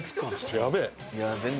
やべえ！